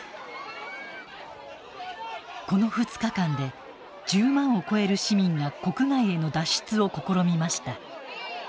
この２日間で１０万を超える市民が国外への脱出を試みました。